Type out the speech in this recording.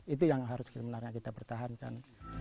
itu yang harus sebenarnya kita pertahankan